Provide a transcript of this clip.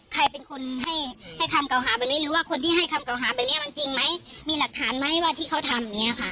ใครเป็นคนให้ให้คำเก่าหาแบบนี้หรือว่าคนที่ให้คำเก่าหาแบบนี้มันจริงไหมมีหลักฐานไหมว่าที่เขาทำอย่างเงี้ค่ะ